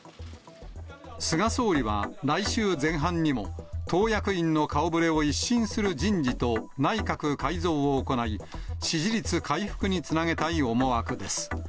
菅総理は来週前半にも、党役員の顔ぶれを一新する人事と、内閣改造を行い、支持率回復につなげたい思惑です。